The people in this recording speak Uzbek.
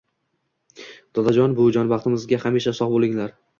dodajon buvijon baxtmizga hamisha sog’ bo’linglar.